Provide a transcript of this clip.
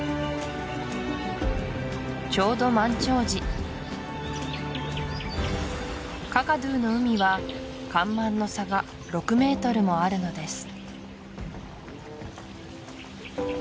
ちょうど満潮時カカドゥの海は干満の差が６ｍもあるのです